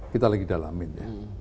kita lagi dalamin